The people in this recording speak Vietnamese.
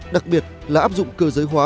đặc biệt là áp dụng cơ giới hóa